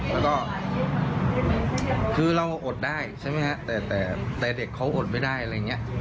แล้วก็คือเราอดได้ใช่ไหมฮะแต่เด็กเขาอดไม่ได้อะไรอย่างนี้